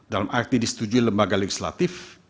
dalam arti disetujui lembaga legislatif